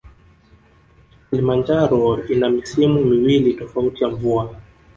Kilimanjaro ina misimu miwili tofauti ya mvua